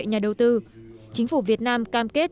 nhà đầu tư chính phủ việt nam cam kết